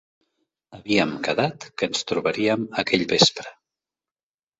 Havíem quedat que ens trobaríem aquell vespre.